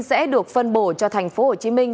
sẽ được phân bổ cho thành phố hồ chí minh